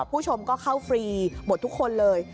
ผู้ชมก็เข้าฟรีหมดทุกคนเลย